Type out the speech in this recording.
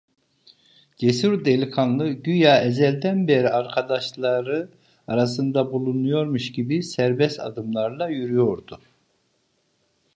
Cesur delikanlı, güya ezelden beri arkadaşları arasında bulunuyormuş gibi serbest adımlarla yürüyordu.